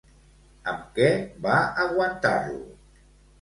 Amb què va aguantar-lo?